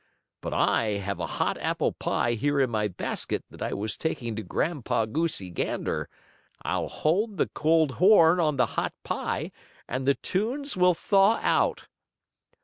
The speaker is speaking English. But I have a hot apple pie here in my basket that I was taking to Grandpa Goosey Gander. I'll hold the cold horn on the hot pie and the tunes will thaw out."